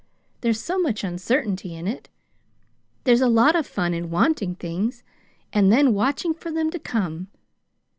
There's so much uncertainty in it. There's a lot of fun in wanting things and then watching for them to come.